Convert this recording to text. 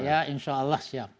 saya insya allah siap